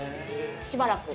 しばらく。